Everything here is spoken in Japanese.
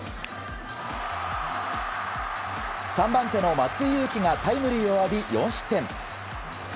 ３番手の松井裕樹がタイムリーを浴び４失点。